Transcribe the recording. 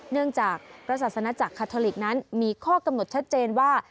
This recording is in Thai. เนื่องจากพระศาสนาจักรคาทอลิกนั้นมีข้อกำหนดชัดเจนว่า